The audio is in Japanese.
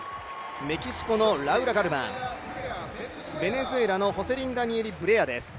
メキシコのラウラ・ガルバンベネズエラホセリン・ダニエリ・ブレアです。